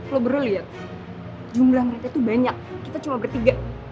lo baru lihat jumlah mereka banyak kita cuma bertiga